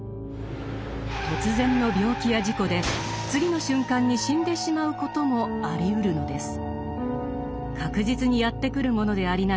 突然の病気や事故で次の瞬間に死んでしまうこともありうるのです。